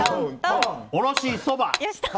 おろしそば。